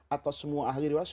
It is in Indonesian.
atau semua ahli waris